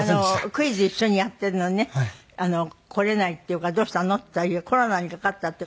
クイズ一緒にやってるのにね来れないっていうから「どうしたの？」って言ったらいやコロナにかかったって。